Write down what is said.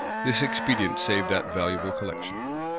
This expedient saved that valuable collection.